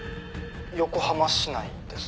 「横浜市内です。